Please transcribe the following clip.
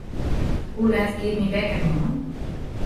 Hoe let giet myn wekker moarn?